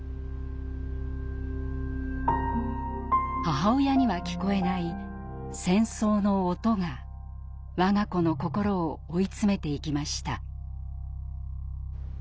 母親には聞こえない「戦争の音」がわが子の心を追い詰めていきました。